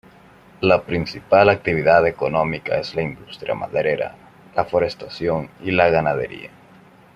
La principal actividad económica es la industria maderera, la forestación y la ganadería.